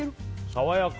爽やか！